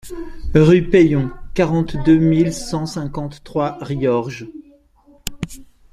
Rue Peillon, quarante-deux mille cent cinquante-trois Riorges